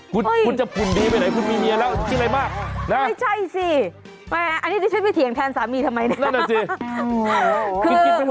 คุณจะขุดดีไปไหนครับคุณมีเมียเลยคิดอะไรมาก